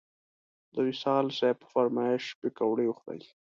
د وصال صیب په فرمایش پکوړې وخوړې.